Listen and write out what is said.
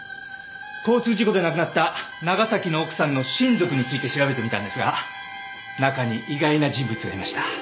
交通事故で亡くなった長崎の奥さんの親族について調べてみたんですが中に意外な人物がいました。